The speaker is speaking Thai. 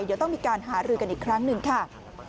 เดี๋ยวต้องมีการหารือกันอีกครั้งหนึ่งค่ะ